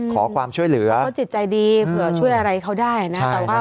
ขอความช่วยเหลือก็จิตใจดีเผื่อช่วยอะไรเขาได้นะ